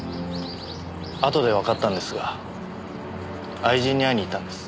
あとでわかったんですが愛人に会いにいったんです。